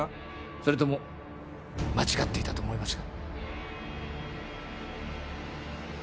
それとも間違っていたと思いますか？